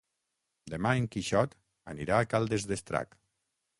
Demà en Quixot anirà a Caldes d'Estrac.